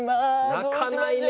泣かないね。